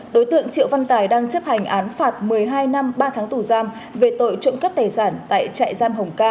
đối tượng triệu văn tài đang chấp hành án phạt một mươi hai năm ba tháng tù giam về tội trộm cắp tài sản tại trại giam hồng ca